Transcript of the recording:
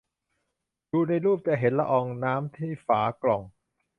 ดูในรูปจะเห็นละอองน้ำที่ฝากล่อง